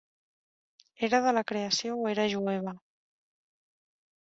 Era de la creació o era jueva.